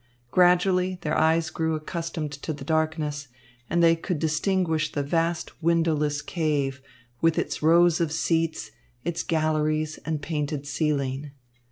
Gradually, their eyes grew accustomed to the darkness, and they could distinguish the vast windowless cave, with its rows of seats, its galleries and painted ceiling.